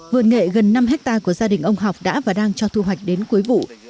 vườn nghệ gần năm hectare của gia đình ông học đã và đang cho thu hoạch đến cuối vụ